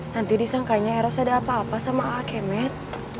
nanti disangkanya eros ada apa apa sama aakemit